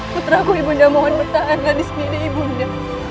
putraku ibu nda mohon bertahanlah di sini ibu nda